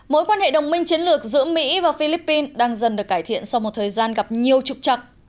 mối quan hệ đồng minh chiến lược giữa mỹ và philippines đang dần được cải thiện sau một thời gian gặp nhiều trục trặc